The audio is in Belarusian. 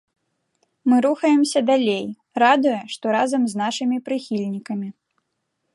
Мы рухаемся далей, радуе, што разам з нашымі прыхільнікамі.